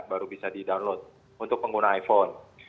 baru bisa di download untuk pengguna iphone